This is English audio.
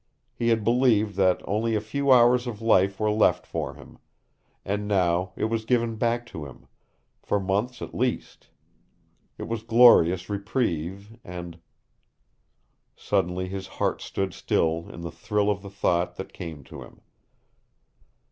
He had believed that only a few hours of life were left for him. And now it was given back to him, for months at least. It was a glorious reprieve, and Suddenly his heart stood still in the thrill of the thought that came to him.